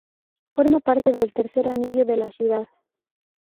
Forma parte del Tercer Anillo de la ciudad.